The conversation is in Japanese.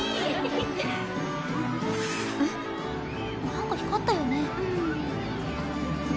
何か光ったよね？